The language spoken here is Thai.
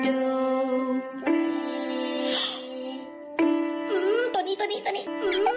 โอ้วโอ้วโอ้ว